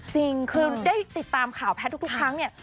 จริงคือได้ติดตามข่าวแพทย์ทุกครั้งเนี่ย